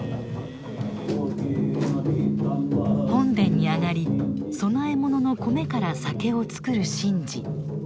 本殿に上がり供え物の米から酒をつくる神事。